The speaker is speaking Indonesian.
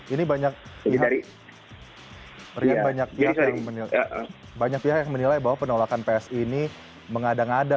ini banyak pihak yang menilai bahwa penolakan psi ini mengada ngada